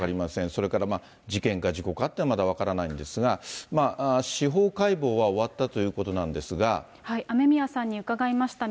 それから事件か事故かって、まだ分からないんですが、司法解剖は終わったということなんですが、雨宮さんに伺いました。